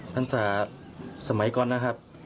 พรรษาสมัยก่อนนะครับ